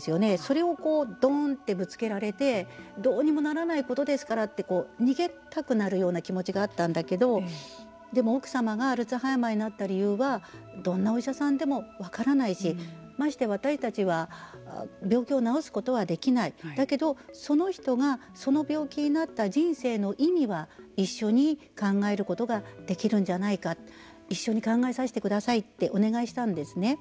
それをどーんとぶつけられてどうにもならないことですからって逃げたくなるような気持ちがあったんだけどもでも、奥様がアルツハイマーになった理由はどんなお医者さんも分からないしまして、私たちは病気を治すことはできないだけど、その人がその病気になった人生の意味は一緒に考えることができるんじゃないか一緒に考えさせてくださいってお願いしたんですね。